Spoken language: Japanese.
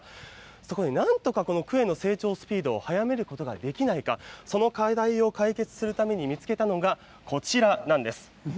そこで、なんとかこのクエの成長スピードを早めることができないか、その課題を解決するために見つけたのがこちらなんです。